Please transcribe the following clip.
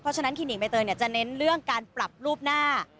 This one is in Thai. เพราะฉะนั้นคลินิกใบเตยจะเน้นเรื่องการปรับรูปหน้า